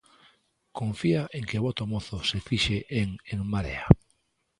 Confía en que o voto mozo se fixe en En Marea?